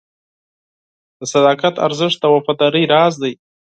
د صداقت ارزښت د وفادارۍ راز دی.